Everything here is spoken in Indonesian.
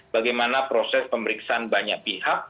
bagaimana proses pemeriksaan banyak pihak